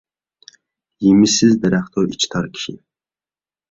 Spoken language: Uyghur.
يېمىشسىز دەرەختۇر ئىچى تار كىشى.